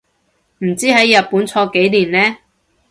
唔知喺日本坐幾年呢